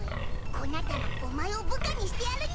こうなったらお前を部下にしてやるにゅい！